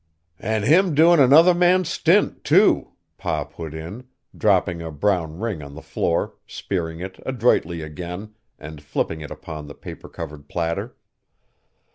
"An' him doin' another man's stint, too," Pa put in, dropping a brown ring on the floor, spearing it adroitly again, and flipping it upon the paper covered platter.